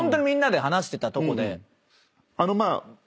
あのまあ